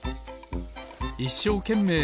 いっしょうけんめい